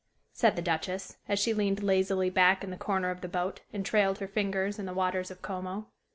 said the Duchess, as she leaned lazily back in the corner of the boat and trailed her fingers in the waters of Como.